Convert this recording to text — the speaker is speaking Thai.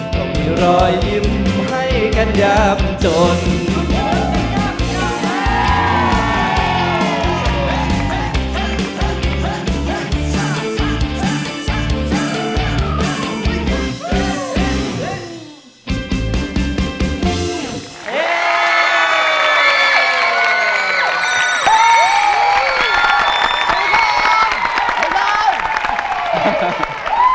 ก็มีรอยยิ้มให้กันยามจน